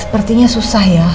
sepertinya susah ya